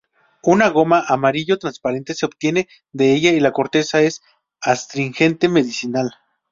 Una goma amarillo transparente se obtiene de ella y la corteza es astringente medicinal.